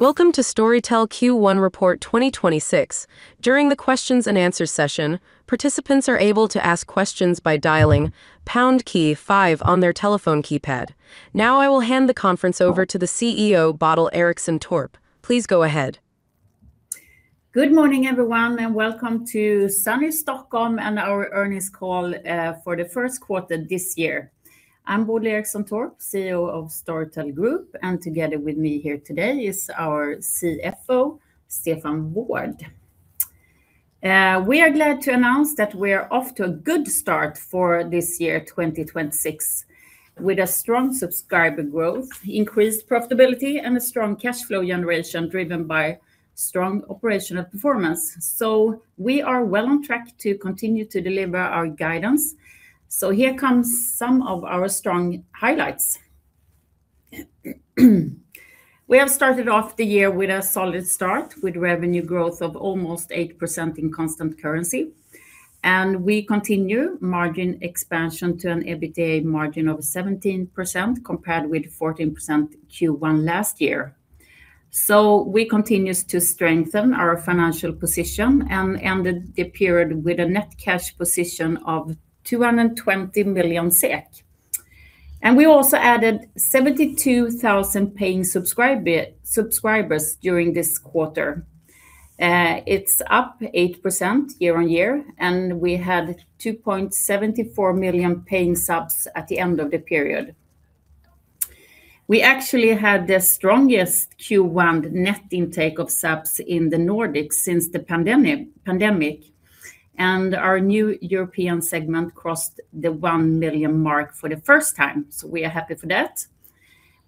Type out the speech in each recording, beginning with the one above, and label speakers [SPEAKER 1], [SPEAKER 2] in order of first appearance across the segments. [SPEAKER 1] Welcome to Storytel Q1 report 2026. During the questions and answer session, participants are able to ask questions by dialing pound key five on their telephone keypad. Now, I will hand the conference over to the CEO, Bodil Eriksson Torp. Please go ahead.
[SPEAKER 2] Good morning, everyone, and welcome to sunny Stockholm and our earnings call for the first quarter this year. I'm Bodil Eriksson Torp, CEO of Storytel Group, and together with me here today is our CFO, Stefan Wård. We are glad to announce that we're off to a good start for this year, 2026, with a strong subscriber growth, increased profitability, and a strong cash flow generation driven by strong operational performance. We are well on track to continue to deliver our guidance. Here comes some of our strong highlights. We have started off the year with a solid start, with revenue growth of almost 8% in constant currency, and we continue margin expansion to an EBITDA margin of 17%, compared with 14% Q1 last year. We continue to strengthen our financial position and ended the period with a net cash position of 220 million SEK. We also added 72,000 paying subscribers during this quarter. It's up 8% year-on-year, and we had 2.74 million paying subs at the end of the period. We actually had the strongest Q1 net intake of subs in the Nordics since the pandemic, and our new European segment crossed the 1 million mark for the first time. We are happy for that.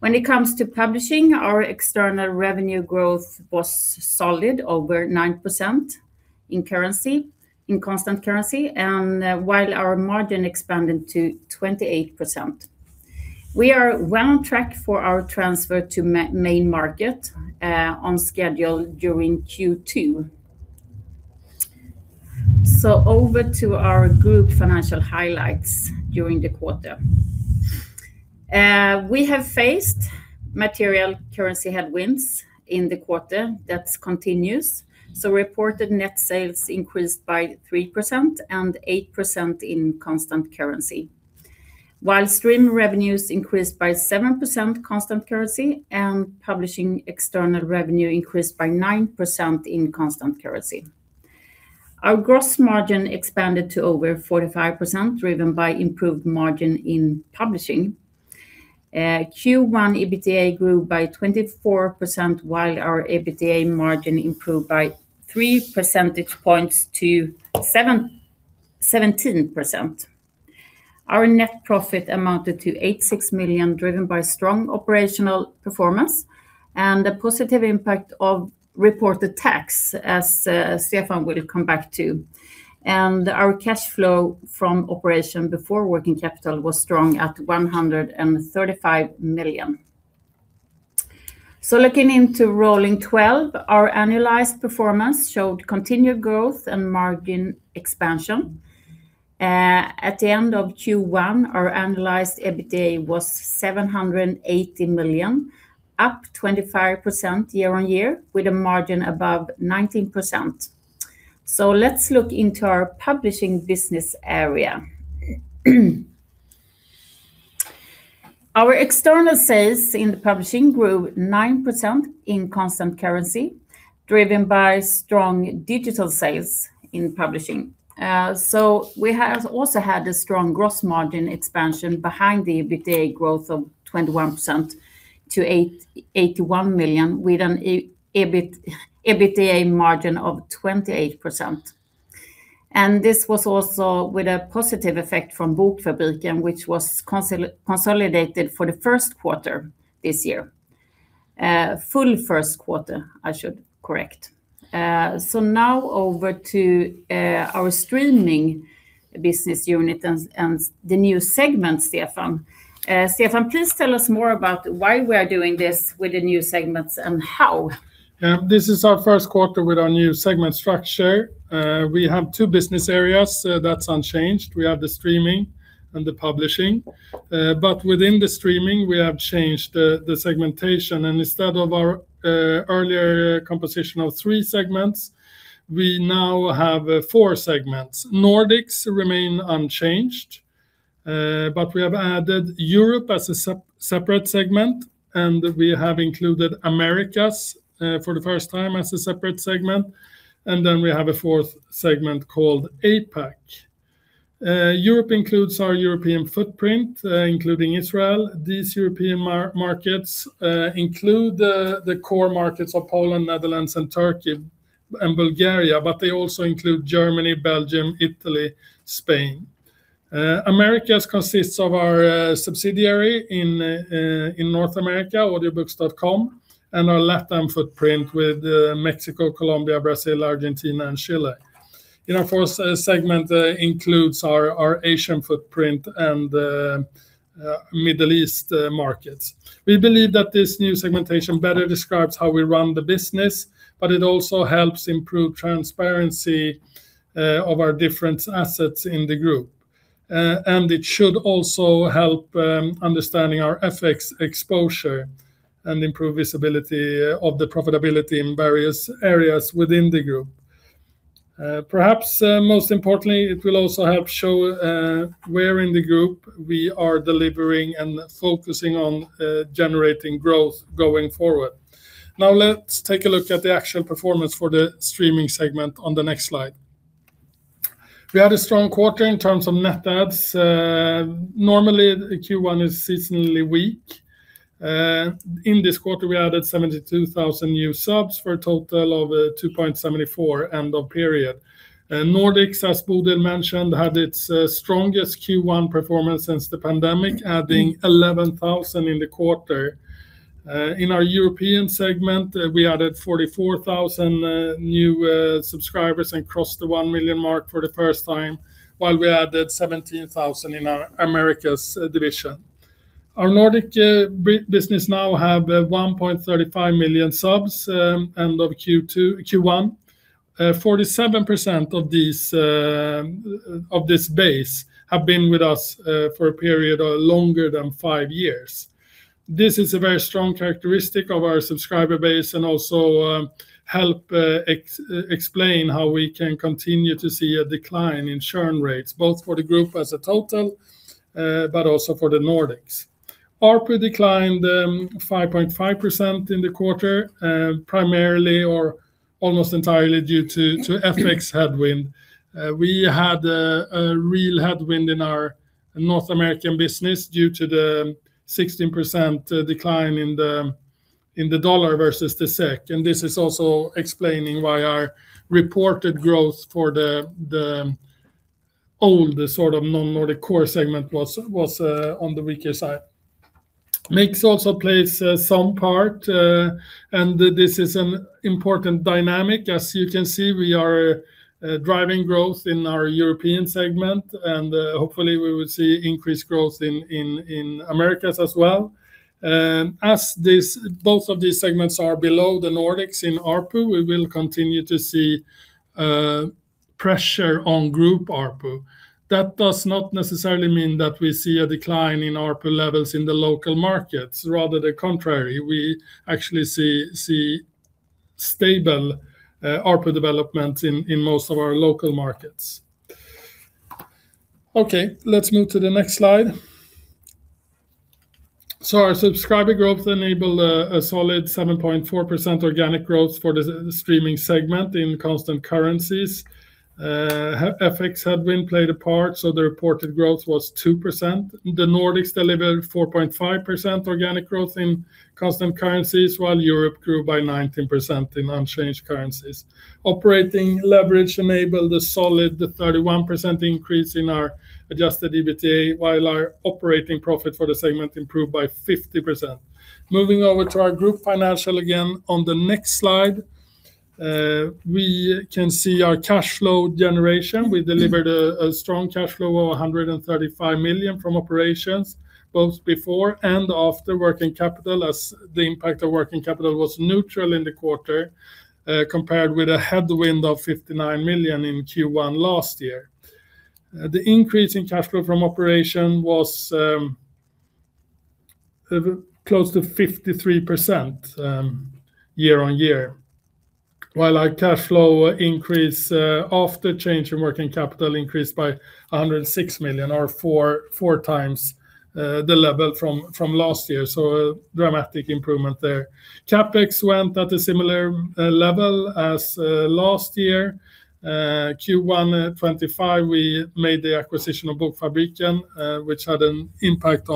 [SPEAKER 2] When it comes to publishing, our external revenue growth was solid, over 9% in constant currency, while our margin expanded to 28%. We are well on track for our transfer to main market on schedule during Q2. Over to our group financial highlights during the quarter. We have faced material currency headwinds in the quarter. That continues. Reported net sales increased by 3% and 8% in constant currency, while stream revenues increased by 7% constant currency, and publishing external revenue increased by 9% in constant currency. Our gross margin expanded to over 45%, driven by improved margin in publishing. Q1 EBITDA grew by 24%, while our EBITDA margin improved by 3 percentage points to 17%. Our net profit amounted to 8.6 million, driven by strong operational performance and the positive impact of reported tax, as Stefan will come back to. Our cash flow from operation before working capital was strong at 135 million. Looking into rolling 12, our analyzed performance showed continued growth and margin expansion. At the end of Q1, our analyzed EBITDA was 780 million, up 25% year-over-year, with a margin above 19%. Let's look into our publishing business area. Our external sales in the publishing grew 9% in constant currency, driven by strong digital sales in publishing. We have also had a strong gross margin expansion behind the EBITDA growth of 21% to 81 million, with an EBITDA margin of 28%. This was also with a positive effect from Bokfabriken, which was consolidated for the full first quarter this year. I should correct. Now over to our streaming business unit and the new segment, Stefan. Stefan, please tell us more about why we are doing this with the new segments and how.
[SPEAKER 3] Yeah, this is our first quarter with our new segment structure. We have two business areas. That's unchanged. We have the streaming and the publishing. But within the streaming, we have changed the segmentation, and instead of our earlier composition of three segments, we now have four segments. Nordics remain unchanged, but we have added Europe as a separate segment, and we have included Americas for the first time as a separate segment, and then we have a fourth segment called APAC. Europe includes our European footprint, including Israel. These European markets include the core markets of Poland, Netherlands, and Turkey and Bulgaria, but they also include Germany, Belgium, Italy, Spain. Americas consists of our subsidiary in North America, Audiobooks.com, and our LATAM footprint with Mexico, Colombia, Brazil, Argentina, and Chile. Our fourth segment includes our Asian footprint and Middle East markets. We believe that this new segmentation better describes how we run the business, but it also helps improve transparency of our different assets in the group. It should also help understanding our FX exposure and improve visibility of the profitability in various areas within the group. Perhaps most importantly, it will also help show where in the group we are delivering and focusing on generating growth going forward. Now let's take a look at the actual performance for the streaming segment on the next slide. We had a strong quarter in terms of net adds. Normally the Q1 is seasonally weak. In this quarter, we added 72,000 new subs for a total of 2.74 end of period. Nordics, as Bodil mentioned, had its strongest Q1 performance since the pandemic, adding 11,000 in the quarter. In our European segment, we added 44,000 new subscribers and crossed the 1 million mark for the first time, while we added 17,000 in our Americas division. Our Nordic business now have 1.35 million subs end of Q1, 47% of these of this base have been with us for a period of longer than five years. This is a very strong characteristic of our subscriber base and also help explain how we can continue to see a decline in churn rates, both for the group as a total, but also for the Nordics. ARPU declined 5.5% in the quarter, primarily or almost entirely due to FX headwind. We had a real headwind in our North American business due to the 16% decline in the dollar versus the SEK, and this is also explaining why our reported growth for the old sort of non-Nordic core segment was on the weaker side. Mix also plays some part, and this is an important dynamic. As you can see, we are driving growth in our European segment, and hopefully we will see increased growth in Americas as well. As both of these segments are below the Nordics in ARPU, we will continue to see pressure on group ARPU. That does not necessarily mean that we see a decline in ARPU levels in the local markets. Rather the contrary. We actually see stable ARPU development in most of our local markets. Okay, let's move to the next slide. Our subscriber growth enabled a solid 7.4% organic growth for the streaming segment in constant currencies. FX headwind played a part, so the reported growth was 2%. The Nordics delivered 4.5% organic growth in constant currencies, while Europe grew by 19% in unchanged currencies. Operating leverage enabled a solid 31% increase in our adjusted EBITDA, while our operating profit for the segment improved by 50%. Moving over to our group financial again on the next slide, we can see our cash flow generation. We delivered a strong cash flow of 135 million from operations both before and after working capital as the impact of working capital was neutral in the quarter, compared with a headwind of 59 million in Q1 last year. The increase in cash flow from operation was close to 53% year-over-year, while our cash flow increase after change in working capital increased by 106 million, or four times the level from last year. A dramatic improvement there. CapEx went at a similar level as last year. In Q1 2025, we made the acquisition of Bokfabriken, which had an impact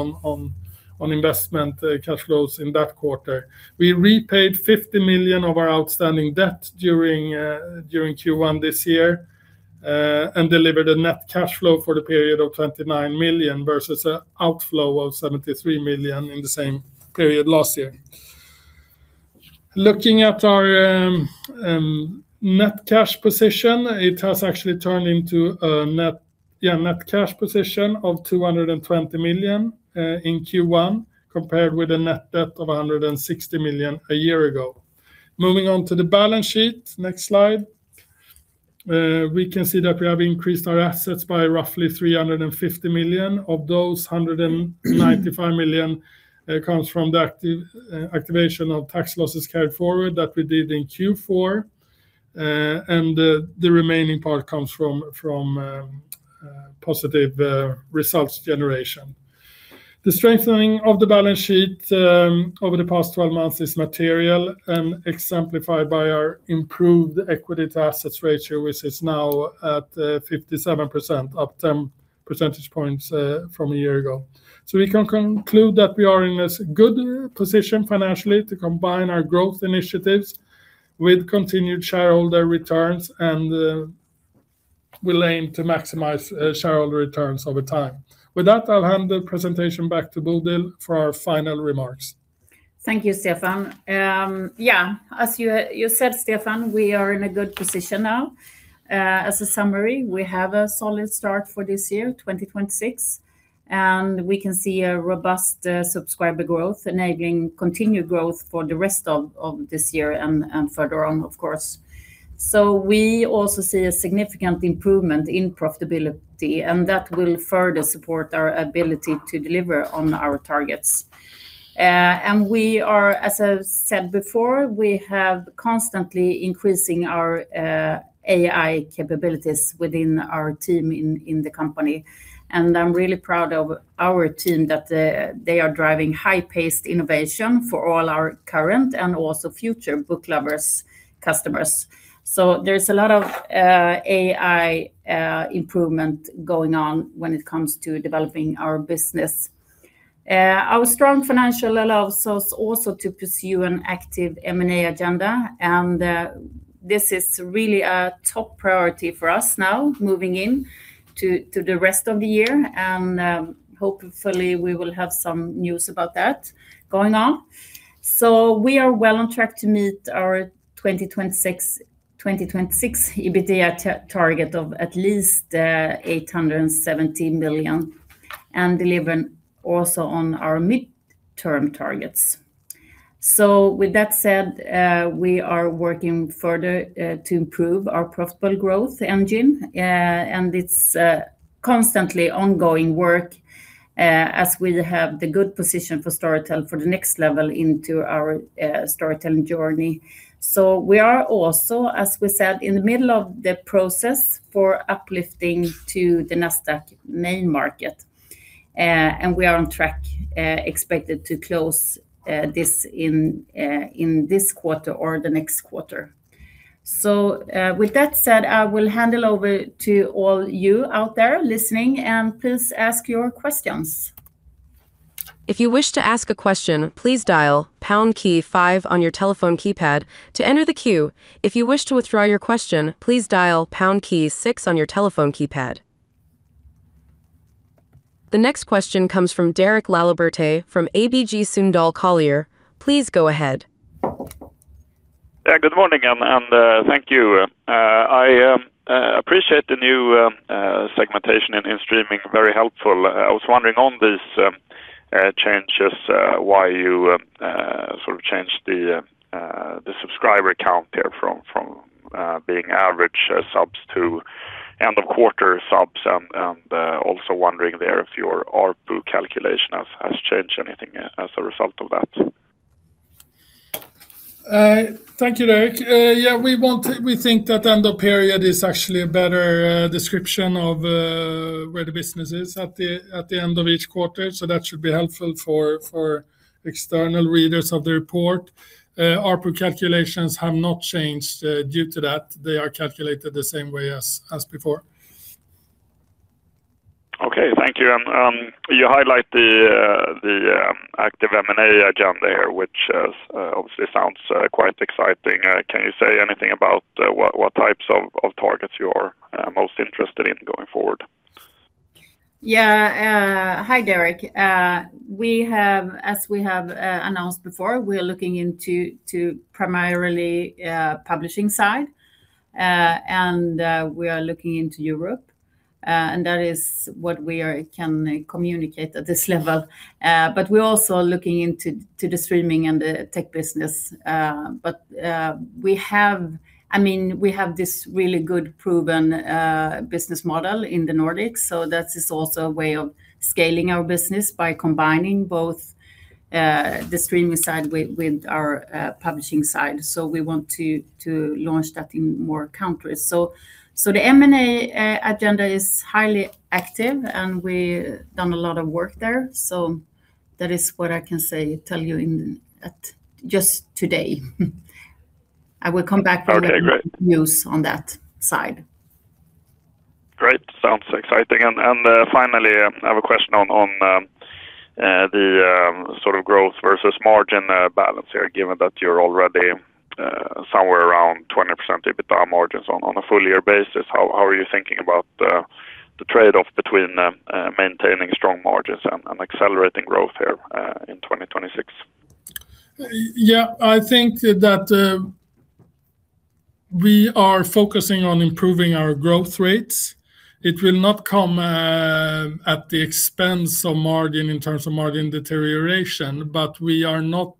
[SPEAKER 3] on investment cash flows in that quarter. We repaid 50 million of our outstanding debt during Q1 this year and delivered a net cash flow for the period of 29 million versus an outflow of 73 million in the same period last year. Looking at our net cash position, it has actually turned into a net cash position of 220 million in Q1, compared with a net debt of 160 million a year ago. Moving on to the balance sheet, next slide. We can see that we have increased our assets by roughly 350 million. Of those, 195 million comes from the activation of tax losses carried forward that we did in Q4. The remaining part comes from positive results generation. The strengthening of the balance sheet over the past 12 months is material and exemplified by our improved equity to assets ratio, which is now at 57%, up 10 percentage points from a year ago. We can conclude that we are in a good position financially to combine our growth initiatives with continued shareholder returns and we'll aim to maximize shareholder returns over time. With that, I'll hand the presentation back to Bodil for our final remarks.
[SPEAKER 2] Thank you, Stefan. Yeah, as you said, Stefan, we are in a good position now. As a summary, we have a solid start for this year, 2026. We can see a robust subscriber growth enabling continued growth for the rest of this year and further on, of course. We also see a significant improvement in profitability, and that will further support our ability to deliver on our targets. As I said before, we have constantly increasing our AI capabilities within our team in the company, and I'm really proud of our team that they are driving high-paced innovation for all our current and also future book lovers customers. There's a lot of AI improvement going on when it comes to developing our business. Our strong financial allows us also to pursue an active M&A agenda, and this is really a top priority for us now moving into the rest of the year. Hopefully we will have some news about that going on. We are well on track to meet our 2026 EBITDA target of at least 870 million, and delivering also on our midterm targets. With that said, we are working further to improve our profitable growth engine. It's constantly ongoing work, as we have the good position for Storytel for the next level into our storytelling journey. We are also, as we said, in the middle of the process for uplifting to the Nasdaq main market. We are on track, expected to close this in this quarter or the next quarter. With that said, I will hand it over to all you out there listening, and please ask your questions.
[SPEAKER 1] If you wish to ask a question, please dial pound key five on your telephone keypad to enter the queue. If you wish to withdraw your question, please dial pound key six on your telephone keypad. The next question comes from Derek Laliberté from ABG Sundal Collier. Please go ahead.
[SPEAKER 4] Yeah. Good morning, thank you. I appreciate the new segmentation in streaming. Very helpful. I was wondering on these changes why you sort of changed the subscriber count here from being average subs to end of quarter subs and also wondering there if your ARPU calculation has changed anything as a result of that.
[SPEAKER 3] Thank you, Derek. Yeah, we think that end of period is actually a better description of where the business is at the end of each quarter, so that should be helpful for external readers of the report. ARPU calculations have not changed due to that. They are calculated the same way as before.
[SPEAKER 4] Okay. Thank you. You highlight the active M&A agenda there, which obviously sounds quite exciting. Can you say anything about what types of targets you are most interested in going forward?
[SPEAKER 2] Hi, Derek. As we have announced before, we are looking primarily into publishing side and we are looking into the streaming and the tech business. I mean, we have this really good proven business model in the Nordics, so that is also a way of scaling our business by combining both the streaming side with our publishing side. We want to launch that in more countries. The M&A agenda is highly active, and we've done a lot of work there, so that is what I can tell you just today. I will come back—
[SPEAKER 4] Okay. Great
[SPEAKER 2] —with news on that side.
[SPEAKER 4] Great. Sounds exciting. Finally, I have a question on the sort of growth versus margin balance here, given that you're already somewhere around 20% EBITDA margins on a full year basis. How are you thinking about the trade-off between maintaining strong margins and accelerating growth here in 2026?
[SPEAKER 3] Yeah. I think that we are focusing on improving our growth rates. It will not come at the expense of margin in terms of margin deterioration, but we are not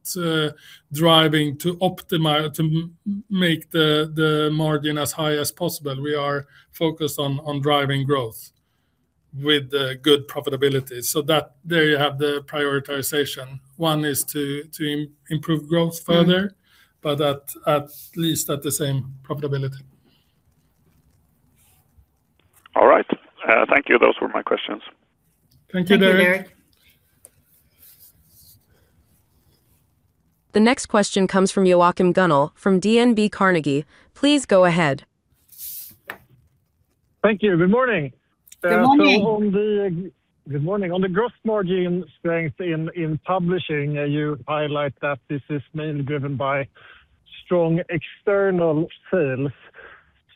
[SPEAKER 3] driving to optimize, to make the margin as high as possible. We are focused on driving growth with the good profitability so that there you have the prioritization. One is to improve growth further but at least at the same profitability.
[SPEAKER 4] All right. Thank you. Those were my questions.
[SPEAKER 3] Thank you, Derek.
[SPEAKER 2] Thank you, Derek.
[SPEAKER 1] The next question comes from Joachim Gunell from DNB Carnegie. Please go ahead.
[SPEAKER 5] Thank you. Good morning.
[SPEAKER 2] Good morning.
[SPEAKER 5] Good morning. On the gross margin strength in publishing, you highlight that this is mainly driven by strong external sales.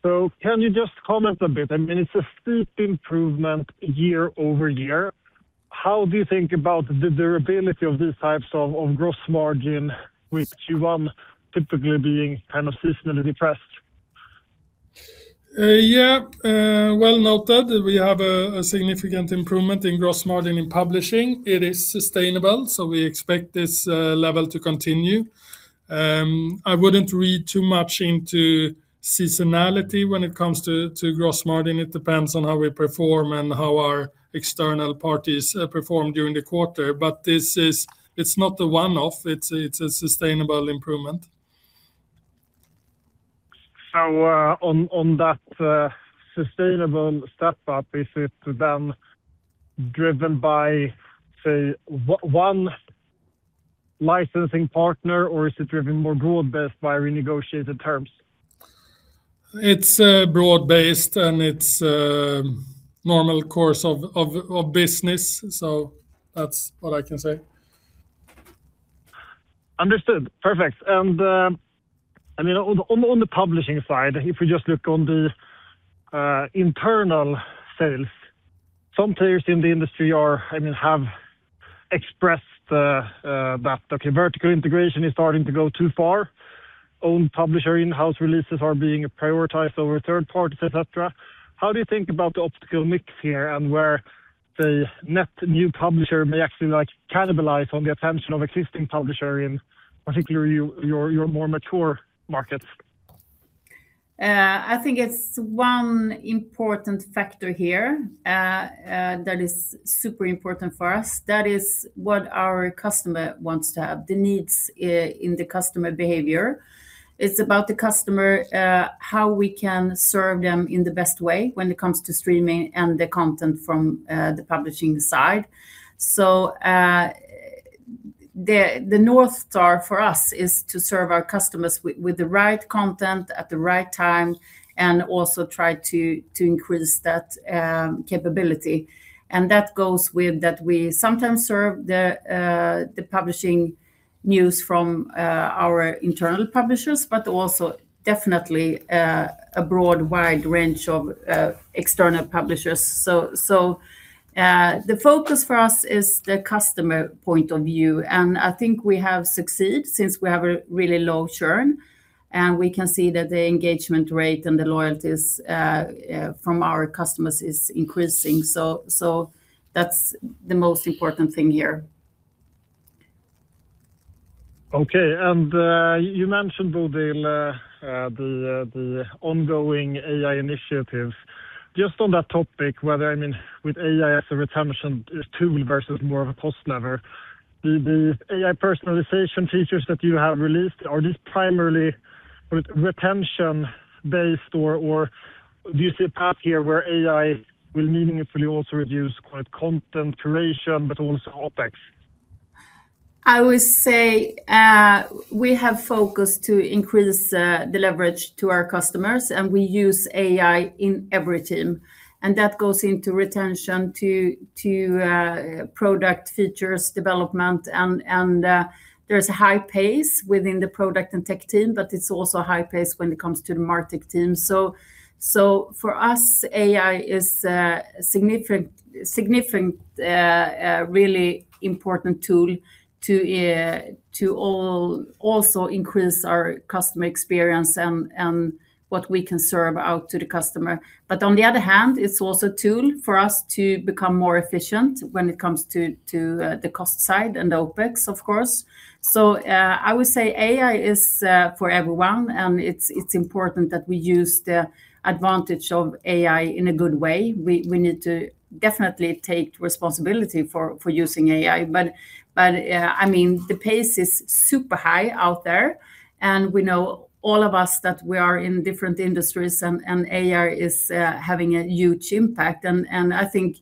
[SPEAKER 5] Can you just comment a bit? I mean, it's a steep improvement year-over-year. How do you think about the durability of these types of gross margin with Q1 typically being kind of seasonally depressed?
[SPEAKER 3] Well noted. We have a significant improvement in gross margin in publishing. It is sustainable, so we expect this level to continue. I wouldn't read too much into seasonality when it comes to gross margin. It depends on how we perform and how our external parties perform during the quarter. It's not a one-off, it's a sustainable improvement.
[SPEAKER 5] On that sustainable step-up, is it then driven by, say, one licensing partner or is it driven more broad-based by renegotiated terms?
[SPEAKER 3] It's broad-based, and it's normal course of business, so that's all I can say.
[SPEAKER 5] Understood. Perfect. I mean, on the publishing side, if we just look on the internal sales, some players in the industry I mean, have expressed that okay, vertical integration is starting to go too far. Own publisher in-house releases are being prioritized over third parties, et cetera. How do you think about the optimal mix here and where the net new publisher may actually like, cannibalize on the attention of existing publisher in particular your more mature markets?
[SPEAKER 2] I think it's one important factor here that is super important for us. That is what our customer wants to have, the needs in the customer behavior. It's about the customer, how we can serve them in the best way when it comes to streaming and the content from the publishing side. The north star for us is to serve our customers with the right content at the right time and also try to increase that capability. That goes with that we sometimes serve the publishing news from our internal publishers, but also definitely a broad wide range of external publishers. The focus for us is the customer point of view, and I think we have succeeded since we have a really low churn, and we can see that the engagement rate and the loyalties from our customers is increasing. That's the most important thing here.
[SPEAKER 5] Okay. You mentioned, Bodil, the ongoing AI initiatives. Just on that topic, I mean, with AI as a retention tool versus more of a cost lever, the AI personalization features that you have released, are these primarily retention-based, or do you see a path here where AI will meaningfully also reduce content curation but also OpEx?
[SPEAKER 2] I would say we have focused to increase the leverage to our customers, and we use AI in every team. That goes into retention to product features, development, and there's a high pace within the product and tech team, but it's also a high pace when it comes to the MarTech team. For us, AI is a significant really important tool to also increase our customer experience and what we can serve out to the customer. On the other hand, it's also a tool for us to become more efficient when it comes to the cost side and the OpEx, of course. I would say AI is for everyone, and it's important that we use the advantage of AI in a good way. We need to definitely take responsibility for using AI. I mean, the pace is super high out there, and we know all of us that we are in different industries and AI is having a huge impact. I think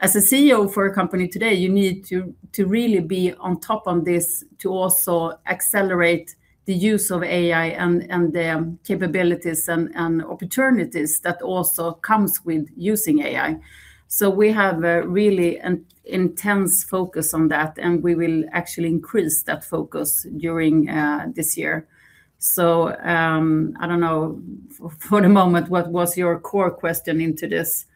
[SPEAKER 2] as a CEO for a company today, you need to really be on top of this to also accelerate the use of AI and the capabilities and opportunities that also comes with using AI. We have a really intense focus on that, and we will actually increase that focus during this year. I don't know for the moment what was your core question into this,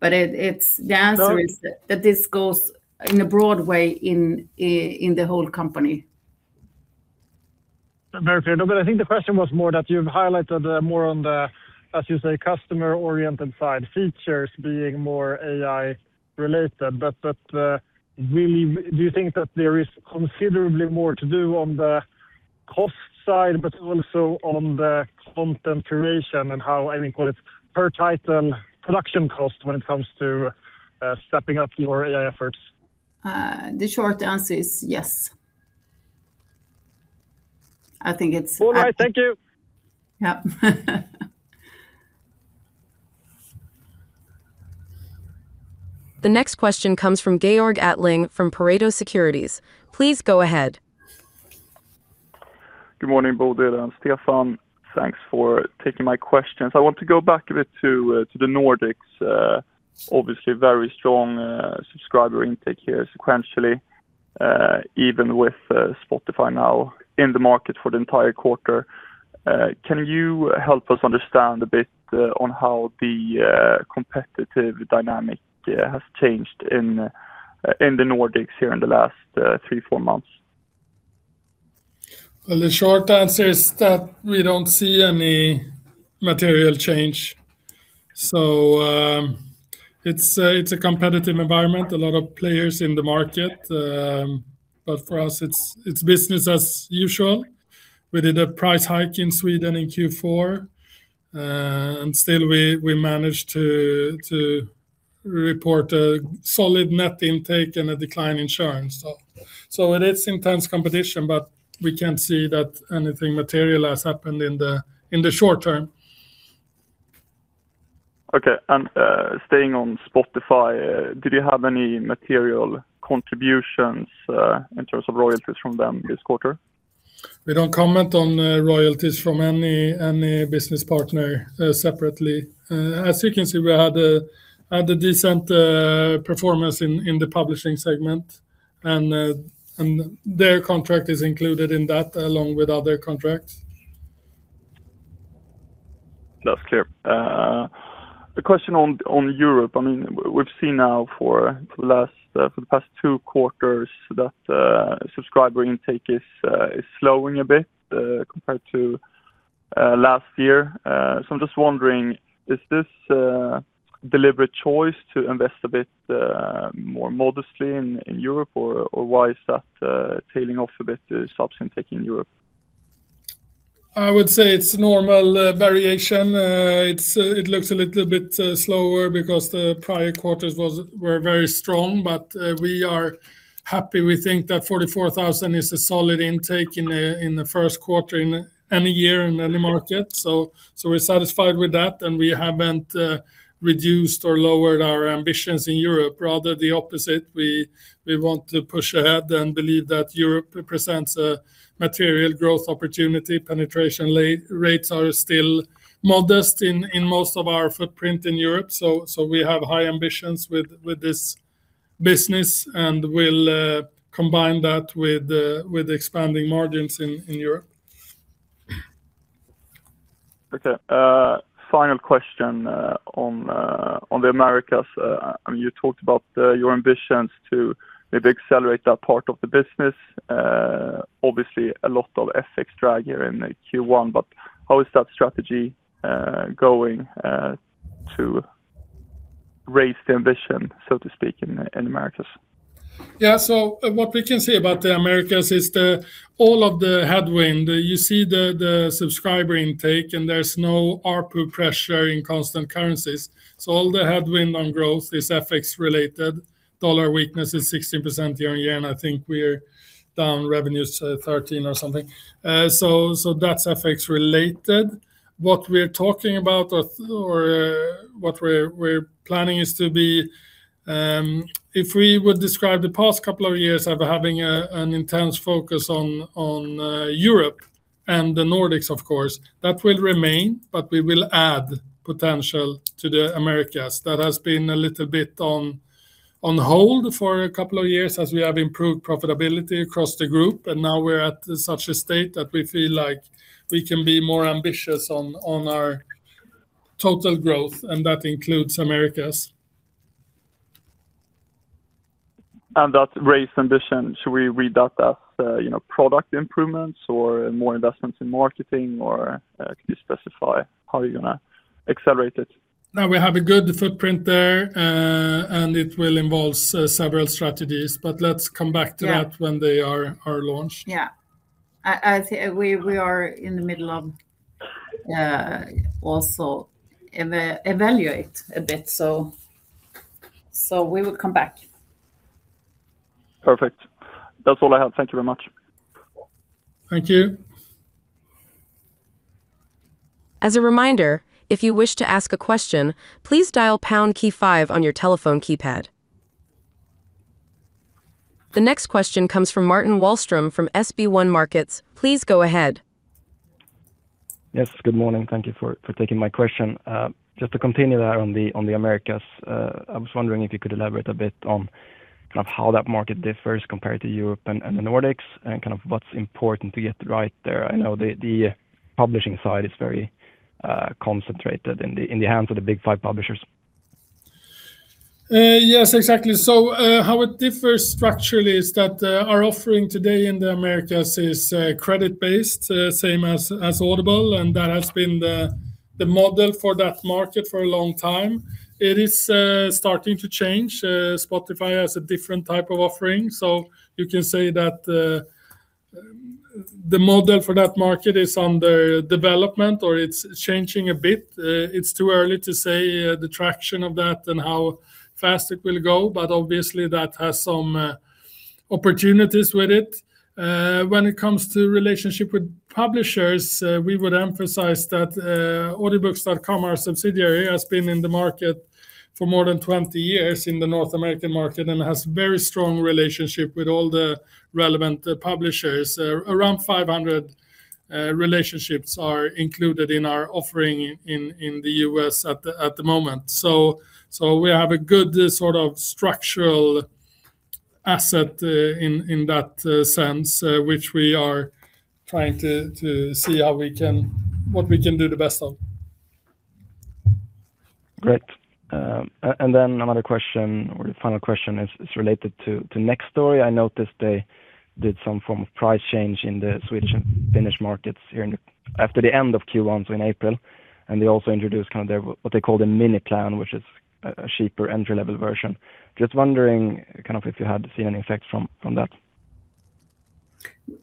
[SPEAKER 2] but it's—
[SPEAKER 5] So—
[SPEAKER 2] The answer is that this goes in a broad way in the whole company.
[SPEAKER 5] Very clear. No, but I think the question was more that you've highlighted more on the, as you say, customer-oriented side, features being more AI-related. Really do you think that there is considerably more to do on the cost side, but also on the content curation and how, I mean, call it per title production cost when it comes to stepping up your AI efforts?
[SPEAKER 2] The short answer is yes. I think it's—
[SPEAKER 5] All right. Thank you.
[SPEAKER 2] Yeah.
[SPEAKER 1] The next question comes from Georg Attling from Pareto Securities. Please go ahead.
[SPEAKER 6] Good morning, Bodil and Stefan. Thanks for taking my questions. I want to go back a bit to the Nordics. Obviously very strong subscriber intake here sequentially, even with Spotify now in the market for the entire quarter. Can you help us understand a bit on how the competitive dynamic has changed in the Nordics here in the last three to four months?
[SPEAKER 3] Well, the short answer is that we don't see any material change. It's a competitive environment, a lot of players in the market. For us, it's business as usual. We did a price hike in Sweden in Q4. And still we managed to report a solid net intake and a decline in churn. It is intense competition, but we can't see that anything material has happened in the short term.
[SPEAKER 6] Okay. Staying on Spotify, did you have any material contributions in terms of royalties from them this quarter?
[SPEAKER 3] We don't comment on royalties from any business partner separately. As you can see, we had a decent performance in the publishing segment, and their contract is included in that along with other contracts.
[SPEAKER 6] That's clear. A question on Europe. I mean, we've seen now for the past two quarters that subscriber intake is slowing a bit compared to last year. I'm just wondering, is this a deliberate choice to invest a bit more modestly in Europe, or why is that tailing off a bit, the subs intake in Europe?
[SPEAKER 3] I would say it's normal variation. It looks a little bit slower because the prior quarters were very strong. We are happy. We think that 44,000 is a solid intake in the first quarter in any year in any market. We're satisfied with that, and we haven't reduced or lowered our ambitions in Europe. Rather the opposite. We want to push ahead and believe that Europe presents a material growth opportunity. Penetration rates are still modest in most of our footprint in Europe. We have high ambitions with this business, and we'll combine that with expanding margins in Europe.
[SPEAKER 6] Okay. Final question on the Americas. I mean, you talked about your ambitions to maybe accelerate that part of the business. Obviously a lot of FX drag here in the Q1, but how is that strategy going to raise the ambition, so to speak, in the Americas?
[SPEAKER 3] Yeah. What we can say about the Americas is all of the headwind. You see the subscriber intake, and there's no ARPU pressure in constant currencies. All the headwind on growth is FX-related. Dollar weakness is 16% year-on-year, and I think we're down revenues 13 or something. That's FX-related. What we're talking about what we're planning is to be. If we would describe the past couple of years of having an intense focus on Europe and the Nordics, of course, that will remain, but we will add potential to the Americas. That has been a little bit on hold for a couple of years as we have improved profitability across the group, and now we're at such a state that we feel like we can be more ambitious on our total growth, and that includes Americas.
[SPEAKER 6] That raised ambition, should we read that as, you know, product improvements or more investments in marketing, or can you specify how you're gonna accelerate it?
[SPEAKER 3] No, we have a good footprint there, and it will involves several strategies. Let's come back to that—
[SPEAKER 2] Yeah
[SPEAKER 3] —when they are launched.
[SPEAKER 2] Yeah. I think we are in the middle of also evaluate a bit, so we will come back.
[SPEAKER 6] Perfect. That's all I have. Thank you very much.
[SPEAKER 3] Thank you.
[SPEAKER 1] As a reminder, if you wish to ask a question, please dial pound key five on your telephone keypad. The next question comes from Martin Wahlström from SB1 Markets. Please go ahead.
[SPEAKER 7] Yes. Good morning. Thank you for taking my question. Just to continue that on the Americas, I was wondering if you could elaborate a bit on kind of how that market differs compared to Europe and the Nordics and kind of what's important to get right there. I know the publishing side is very concentrated in the hands of the big five publishers.
[SPEAKER 3] Yes, exactly. How it differs structurally is that our offering today in the Americas is credit-based, same as Audible, and that has been the model for that market for a long time. It is starting to change. Spotify has a different type of offering. You can say that the model for that market is under development, or it's changing a bit. It's too early to say the traction of that and how fast it will go, but obviously that has some opportunities with it. When it comes to relationship with publishers, we would emphasize that Audiobooks.com, our subsidiary, has been in the market for more than 20 years in the North American market and has very strong relationship with all the relevant publishers. Around 500 relationships are included in our offering in the U.S. at the moment. We have a good sort of structural asset in that sense, which we are trying to see what we can do the best of.
[SPEAKER 7] Great. And then another question, or the final question is related to Nextory. I noticed they did some form of price change in the Swedish and Finnish markets here after the end of Q1, so in April. They also introduced kind of their what they call the mini plan, which is a cheaper entry-level version. Just wondering kind of if you had seen any effect from that.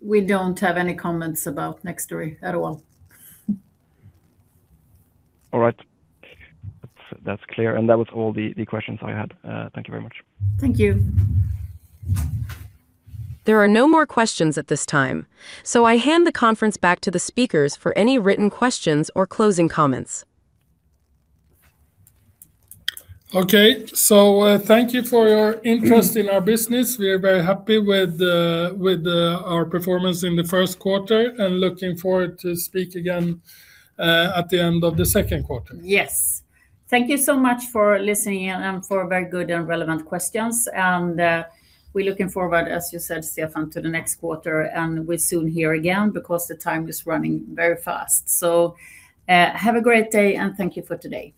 [SPEAKER 2] We don't have any comments about Nextory at all.
[SPEAKER 7] All right. That's clear, and that was all the questions I had. Thank you very much.
[SPEAKER 2] Thank you.
[SPEAKER 1] There are no more questions at this time, so I hand the conference back to the speakers for any written questions or closing comments.
[SPEAKER 3] Okay. Thank you for your interest in our business. We are very happy with our performance in the first quarter and looking forward to speak again at the end of the second quarter.
[SPEAKER 2] Yes. Thank you so much for listening and for very good and relevant questions. We're looking forward, as you said, Stefan, to the next quarter, and we'll soon hear again because the time is running very fast. Have a great day, and thank you for today.